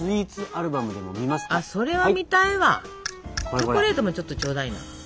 チョコレートもちょっとちょうだいな。